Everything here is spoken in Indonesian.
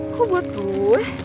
kok buat gue